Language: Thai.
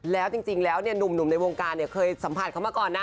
แล้วจริงแล้วเนี่ยหนุ่มในวงการเคยสัมผัสเขามาก่อนนะ